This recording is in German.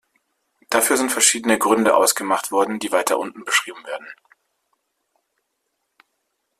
Dafür sind verschiedene Gründe ausgemacht worden, die weiter unten beschrieben werden.